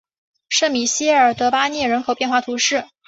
圣米歇尔德巴涅尔人口变化图示